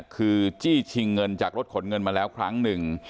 คือจี้ชิงเงินจากรถขนเงินมาแล้วครั้งหนึ่ง